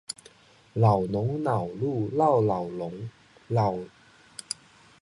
老龙恼怒闹老农，老农恼怒闹老龙。农怒龙恼农更怒，龙恼农怒龙怕农。